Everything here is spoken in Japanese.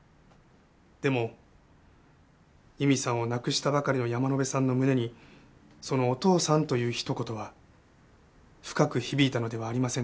でも佑美さんを亡くしたばかりの山野辺さんの胸にその「お父さん」というひと言は深く響いたのではありませんか？